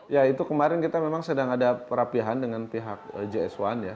ya itu kemarin kita memang sedang ada perapihan dengan pihak js satu ya